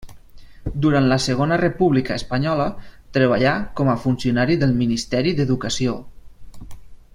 Durant la Segona República Espanyola treballà com a funcionari del Ministeri d'Educació.